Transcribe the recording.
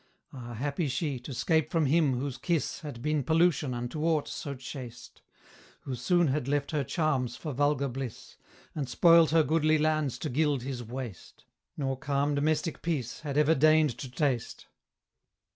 Ah, happy she! to 'scape from him whose kiss Had been pollution unto aught so chaste; Who soon had left her charms for vulgar bliss, And spoiled her goodly lands to gild his waste, Nor calm domestic peace had ever deigned to taste.